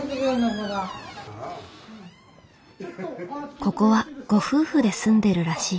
ここはご夫婦で住んでるらしい。